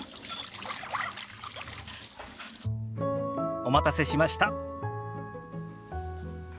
お待たせしました。